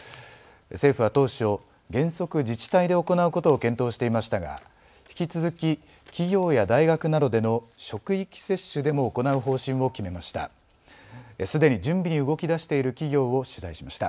政府は当初、原則、自治体で行うことを検討していましたが引き続き企業や大学などでの職域接種でも行う方針を決めました。